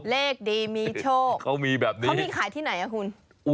เลขดีมีโชคเขามีแบบนี้เขามีขายที่ไหนอ่ะคุณ